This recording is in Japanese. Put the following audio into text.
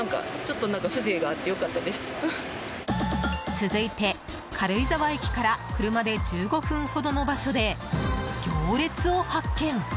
続いて軽井沢駅から、車で１５分ほどの場所で行列を発見。